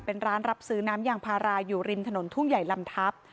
เป็นร้านรับซื้อน้ำยางพาราอยู่ริมถนนทุ่งใหญ่ลำทับ